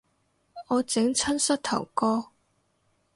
我整親膝頭哥